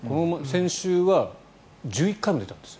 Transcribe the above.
先週は１１回も出たんです。